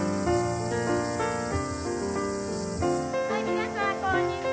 皆さんこんにちは。